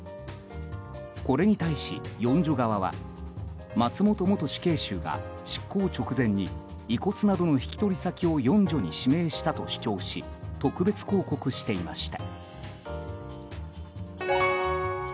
これに対し、四女側は松本元死刑囚が執行直前に遺骨などの引き取り先を四女に指名したと主張し特別抗告していました。